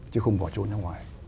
chứ không bỏ trốn ra ngoài